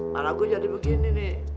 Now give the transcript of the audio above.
malah gue jadi begini nih